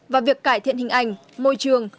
vào việc cải thiện hình ảnh môi trường